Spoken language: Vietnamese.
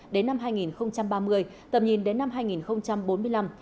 đến năm hai nghìn ba mươi tầm nhìn đến năm hai nghìn bốn mươi năm